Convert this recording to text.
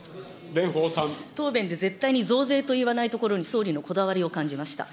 答弁で絶対に増税と言わないところに、総理のこだわりを感じました。